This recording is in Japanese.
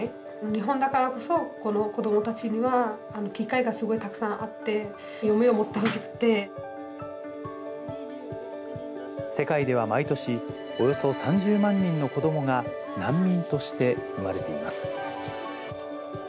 日本だからこそ子どもたちには機会がすごいたくさんあって、世界では毎年、およそ３０万人の子どもが、難民として生まれています。